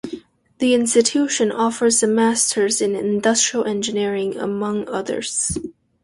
The institution offers the Master's in Industrial Engineering among others.